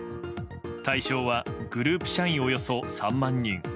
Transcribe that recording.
対象はグループ社員およそ３万人。